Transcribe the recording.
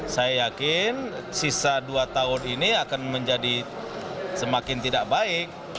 saya yakin sisa dua tahun ini akan menjadi semakin tidak baik